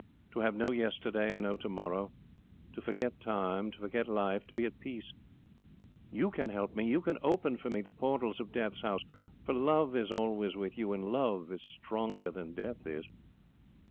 To have no yesterday, and no to morrow. To forget time, to forget life, to be at peace. You can help me. You can open for me the portals of death's house, for love is always with you, and love is stronger than death is."